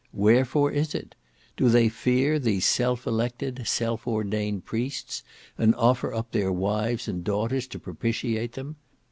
Wherefore is it? Do they fear these self elected, self ordained priests, and offer up their wives and daughters to propitiate them?